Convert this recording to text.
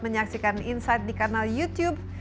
menyaksikan insight di kanal youtube